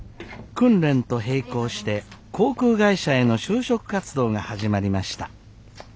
訓練と並行して航空会社への就職活動が始まりました。